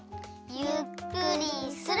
ゆっくりする。